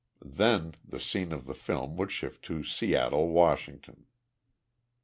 Then the scene of the film would shift to Seattle, Washington.